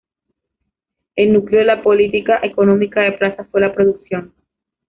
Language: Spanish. El núcleo de la política económica de Plaza fue la producción.